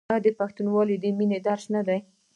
آیا پښتونولي د مینې درس نه دی؟